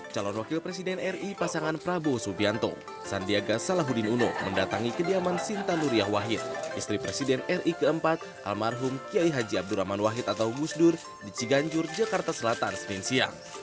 calon wakil presiden ri pasangan prabowo subianto sandiaga salahuddin uno mendatangi kediaman sinta nuriyah wahid istri presiden ri keempat almarhum kiai haji abdurrahman wahid atau gusdur di ciganjur jakarta selatan senin siang